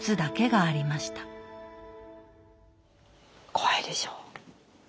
怖いでしょう？